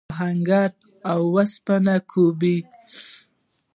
آهنګر اوسپنه کوبي.